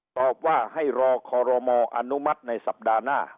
ตอบว่าให้รอคอรมออนุมัติในสัปดาห์หน้า